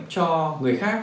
cho người khác